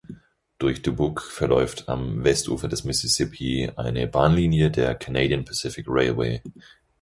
Durch Dubuque verläuft am Westufer des Mississippi eine Bahnlinie der Canadian Pacific Railway.